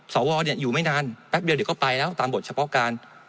สวอยู่ไม่นานแป๊บเดียวเดี๋ยวก็ไปแล้วตามบทเฉพาะการ